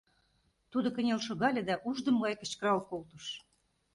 Тудо кынел шогале да ушдымо гай кычкырал колтыш.